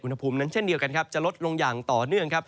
อุณหภูมินั้นเช่นเดียวกันครับจะลดลงอย่างต่อเนื่องครับ